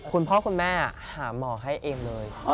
คุณพ่อคุณแม่หาหมอให้เองเลย